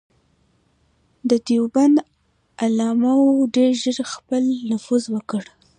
د دیوبند علماوو ډېر ژر خپل نفوذ وکړ.